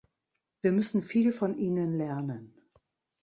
Wir müssen viel von ihnen lernen.